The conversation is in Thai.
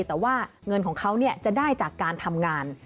แต่ว่าเงินของเขาจะได้จากการทำงาน